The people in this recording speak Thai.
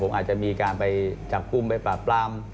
อาจจะมีการไปจับกลุ่มไปปราบปราม